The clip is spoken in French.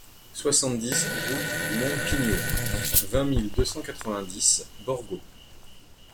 soixante-dix route du Monte Pigno, vingt mille deux cent quatre-vingt-dix Borgo